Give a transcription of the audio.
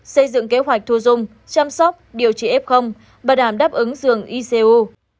xây dựng kế hoạch thu dung chăm sóc điều trị f bảo đảm đáp ứng giường icu